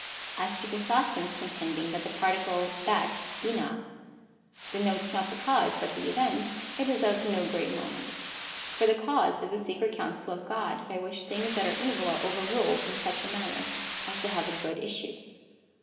As to Chrysostom's contending that the particle that (tva) denotes not the cause, but the event, it is of no great moment. For the cause is the secret counsel of God,^ by which things that are evil are overruled in such a manner, as to have a good issue.